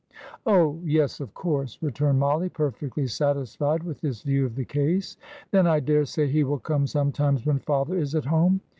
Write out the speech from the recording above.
"Oh, yes, of course," returned Mollie, perfectly satisfied with this view of the case. "Then I daresay he will come sometimes when father is at home.